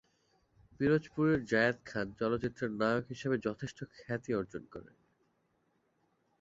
পিরোজপুরের জায়েদ খান চলচ্চিত্রে নায়ক হিসেবে যথেষ্ট খ্যাতি অর্জন করেন।